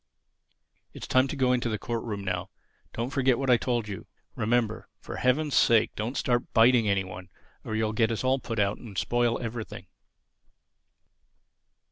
It's time to go into the court room now. Don't forget what I told you. Remember: for Heaven's sake don't start biting any one or you'll get us all put out and spoil everything."